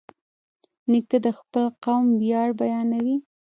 نیکه د خپل قوم ویاړ بیانوي.